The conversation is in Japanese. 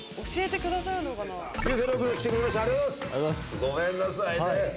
ごめんなさいね。